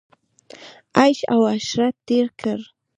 عیش او عشرت تېر کړ.